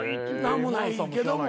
何もないけども。